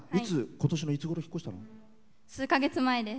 ことしのいつごろ引っ越したの？